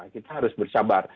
kita harus bersabar